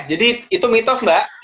jadi itu mitos mbak